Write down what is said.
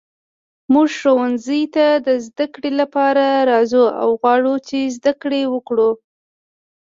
موږ ښوونځي ته د زده کړې لپاره راځو او غواړو چې زده کړې وکړو.